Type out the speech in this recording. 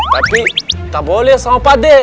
tapi tak boleh sama pak de